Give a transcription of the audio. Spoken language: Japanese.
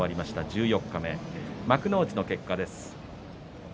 十四日目、幕内の結果です。